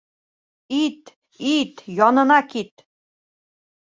Ит, ит янына кит.